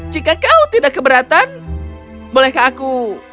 jika kau tidak keberatan bolehkah aku